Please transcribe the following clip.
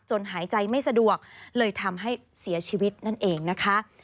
หายใจไม่สะดวกเลยทำให้เสียชีวิตนั่นเองนะคะ